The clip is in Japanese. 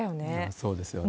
そうですよね。